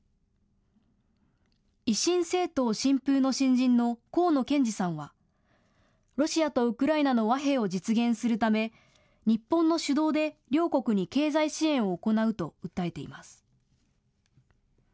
維新政党・新風の新人の河野憲二さんはロシアとウクライナの和平を実現するため、日本の主導で両国に経済支援を行うと訴えています。